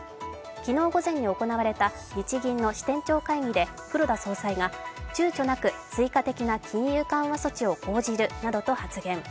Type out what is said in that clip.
昨日午前に行われた日銀の支店長会議で黒田総裁がちゅうちょなく追加的な金融緩和措置を講じるなどと発言。